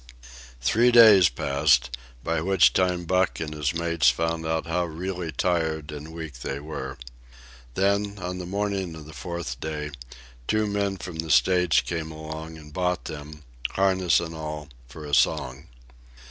Three days passed, by which time Buck and his mates found how really tired and weak they were. Then, on the morning of the fourth day, two men from the States came along and bought them, harness and all, for a song.